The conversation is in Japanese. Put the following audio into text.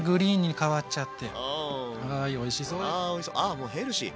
あもうヘルシー。